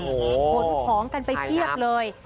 ขนของกันไปเพียบเลย